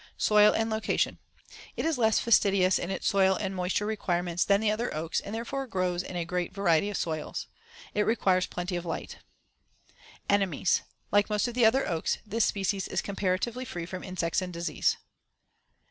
Soil and location: It is less fastidious in its soil and moisture requirements than the other oaks and therefore grows in a great variety of soils. It requires plenty of light. [Illustration: FIG. 62. Leaf and Fruit of Red Oak.] Enemies: Like most of the other oaks, this species is comparatively free from insects and disease.